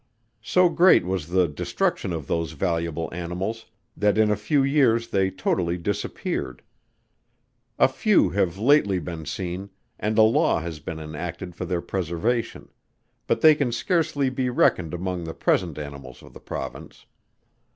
So great was the destruction of those valuable animals, that in a few years they totally disappeared. A few have lately been seen, and a law has been enacted for their preservation; but they can scarcely be reckoned among the present animals of the Province.